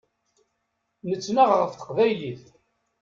Nettnaɣ ɣef teqbaylit.